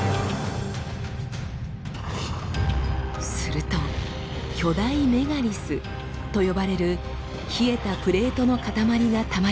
すると「巨大メガリス」と呼ばれる冷えたプレートの塊がたまります。